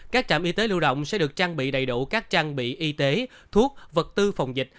các trạm y tế lưu động sẽ được trang bị đầy đủ các trang bị y tế thuốc vật tư phòng dịch